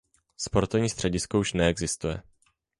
Sportovní středisko už neexistuje.